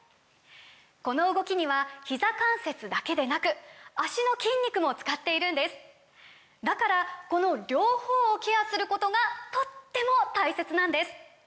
この動きにはひざ関節だけでなく脚の筋肉も使っているんですだからこの両方をケアすることがとっても大切なんです！